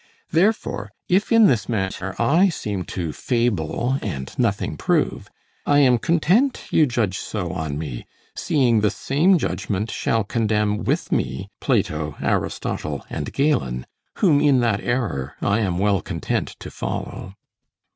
Therefore, if in this matter I seem to fable and nothing prove, I am content you judge so on me, seeing the same judgment shall condemn with me Plato, Aristotle, and Galen, whom in that error I am well content to follow.